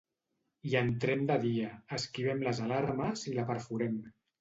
Hi entrem de dia, esquivem les alarmes i la perforem.